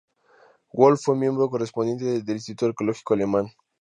Wolff fue miembro correspondiente del Instituto Arqueológico Alemán.